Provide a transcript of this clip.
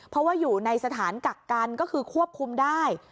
เพราะว่าอยู่ในสถานกักกันก็คือควบคุมได้